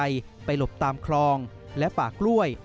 ไปหลบตามคลองและป่ากล้วย